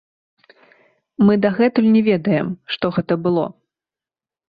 Мы дагэтуль не ведаем, што гэта было.